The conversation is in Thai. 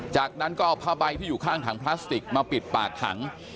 จากนั้นก็เอาผ้าใบที่อยู่ข้างถังพลาสติกมาปิดปากถัง